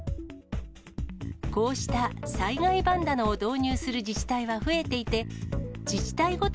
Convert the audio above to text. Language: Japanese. こうした災害バンダナを導入する自治体は増えていて、自治体ごと